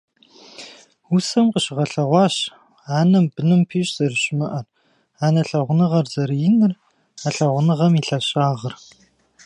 Усэм къыщыгъэлъэгъуащ анэм быным пищӀ зэрыщымыӀэр, анэ лъагъуныгъэр зэрыиныр, а лъагъуныгъэм и лъэщагъыр.